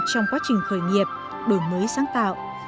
trong quá trình khởi nghiệp đổi mới sáng tạo